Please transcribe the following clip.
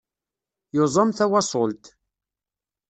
Yuẓam tawaṣult.